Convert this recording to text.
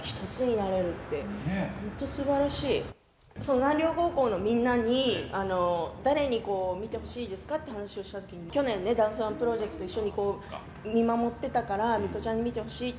南稜高校のみんなに誰に見てほしいですかって聞いたときに去年、ダンスＯＮＥプロジェクトを一緒に見守ってたからミトちゃんに見てほしいって。